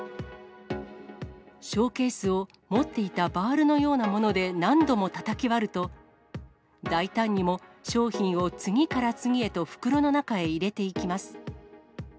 ショーケースを持っていたバールのようなもので何度もたたき割ると、大胆にも商品を次から次へと袋の中へ入れていきます。